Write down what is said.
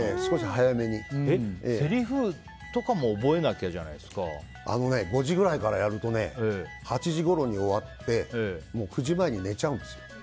せりふとかも５時ぐらいからやると８時ごろに終わって９時前に寝ちゃうんですよ。